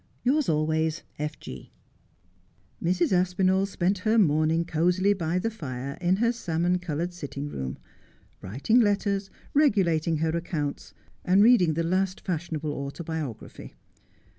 ' Yours always, ' F G ' Mrs. Aspinall spent her morning cosily by the fire in her salmon coloured sitting room, writing letters, regulating her accounts, and reading the last fashionable autobiography.